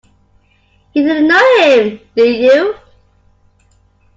You didn't know him, did you?